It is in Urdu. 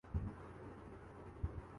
مسئلہ یہ ہے کہ ٹی ٹؤنٹی